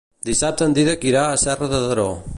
Dissabte en Dídac irà a Serra de Daró.